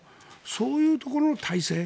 そういうところの体制